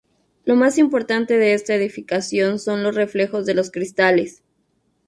Lo más importante de esta edificación son los reflejos de los cristales.